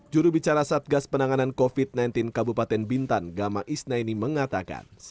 juru bicara satgas penanganan covid sembilan belas kabupaten bintan gama isnai ini mengatakan